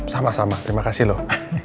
sama sama terima kasih loh